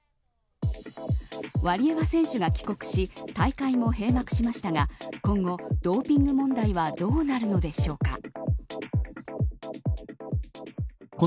ワリエワ選手が帰国し大会も閉幕しましたが今後、ドーピング問題はどうなるのでしょうか。